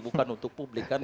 untuk publik kan